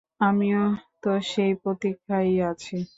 আমিও তো সেই প্রতীক্ষায়ই আছি।